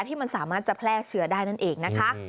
ที่มันสามารถจะแพร่เชื้อได้นั่นเองนะคะ